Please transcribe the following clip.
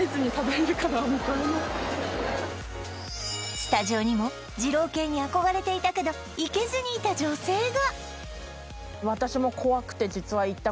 スタジオにも二郎系に憧れていたけど行けずにいた女性が私もえーっ！？